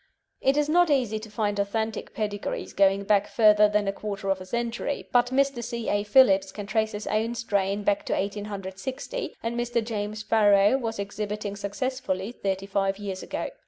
It is not easy to find authentic pedigrees going back further than a quarter of a century, but Mr. C. A. Phillips can trace his own strain back to 1860, and Mr. James Farrow was exhibiting successfully thirty five years ago.